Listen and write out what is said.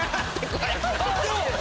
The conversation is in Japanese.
これ。